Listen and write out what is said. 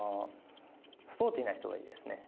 スポーティーな人がいいですね。